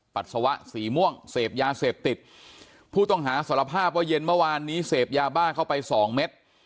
ปัสสาวะสีม่วงเสพยาเสพติดผู้ต้องหาสารภาพว่าเย็นเมื่อวานนี้เสพยาบ้าเข้าไปสองเม็ด